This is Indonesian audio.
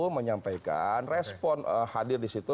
menyampaikan respon hadir di situ